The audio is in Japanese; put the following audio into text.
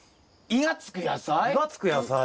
「イ」がつく野菜。